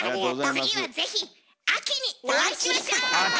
次はぜひ秋にお会いしましょう！秋！